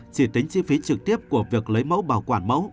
chỉ tính chi phí trực tiếp của việc lấy mẫu bảo quản mẫu